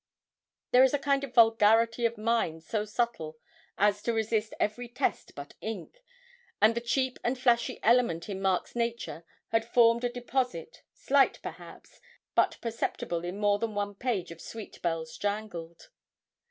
There is a kind of vulgarity of mind so subtle as to resist every test but ink, and the cheap and flashy element in Mark's nature had formed a deposit, slight, perhaps, but perceptible in more than one page of 'Sweet Bells Jangled.'